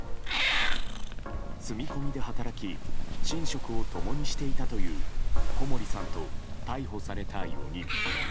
住み込みで働き寝食を共にしていたという小森さんと、逮捕された４人。